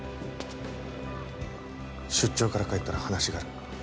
出張から帰ったら話がある。